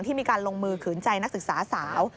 ที่มีการลงมือขืนใจนักศึกษาสาว